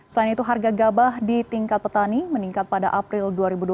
selain itu harga gabah di tingkat petani meningkat pada april dua ribu dua puluh